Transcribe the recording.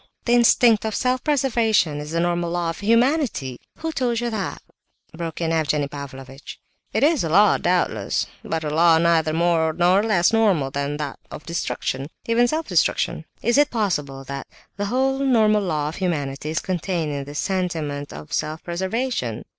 The instinct of self preservation is the normal law of humanity..." "Who told you that?" broke in Evgenie Pavlovitch. "It is a law, doubtless, but a law neither more nor less normal than that of destruction, even self destruction. Is it possible that the whole normal law of humanity is contained in this sentiment of self preservation?"